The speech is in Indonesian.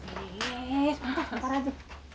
eh pantas pantas aja